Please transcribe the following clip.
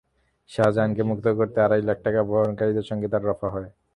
শাহজাহানকে মুক্ত করতে আড়াই লাখ টাকায় অপহরণকারীদের সঙ্গে তাঁর রফা হয়।